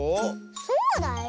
そうだよ。